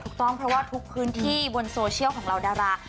ถูกต้องเพราะว่าทุกพื้นที่บนโซเชียลของเหล่าดารา